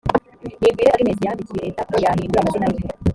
nigwire agnes yandikiye leta ko yahindura amazina ye